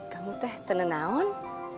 kamu tuh tenenang